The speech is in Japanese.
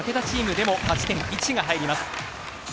チームでも勝ち点１が入ります。